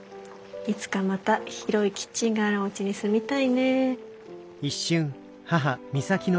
いつかまた広いキッチンがあるおうちに住みたいね。